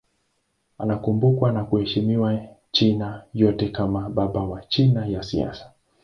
Anakumbukwa na kuheshimiwa China yote kama baba wa China ya kisasa.